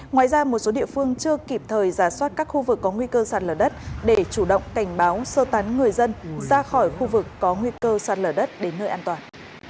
ngoài ra một số địa phương chưa kịp thời giả soát các khu vực có nguy cơ sạt lở đất để chủ động cảnh báo sơ tán người dân ra khỏi khu vực có nguy cơ sạt lở đất đến nơi an toàn